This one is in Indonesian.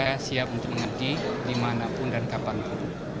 saya siap untuk mengabdi dimanapun dan kapal pun